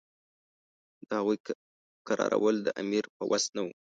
د هغوی کرارول د امیر په وس نه وو.